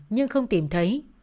nhưng không tìm thấy